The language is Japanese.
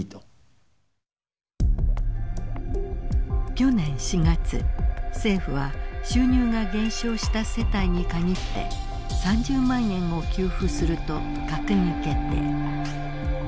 去年４月政府は収入が減少した世帯に限って３０万円を給付すると閣議決定。